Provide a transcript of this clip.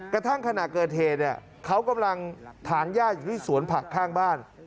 กระทั่งขณะเกิดเหตุเนี่ยเขากำลังถางย่าอยู่ที่สวนผักข้างบ้าน